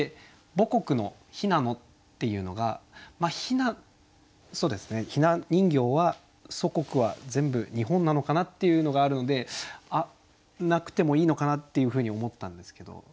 「母国の雛の」っていうのがひな人形は祖国は全部日本なのかなっていうのがあるのでなくてもいいのかなっていうふうに思ったんですけど。